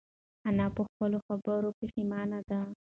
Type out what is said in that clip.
انا په خپلو خبرو پښېمانه ده.